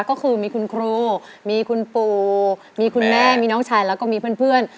ก็คือมีคุณครูมีคุณปู่มีคุณแม่มีน้องชายแล้วก็มีเพื่อน